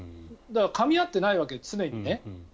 かみ合ってないわけ、常に。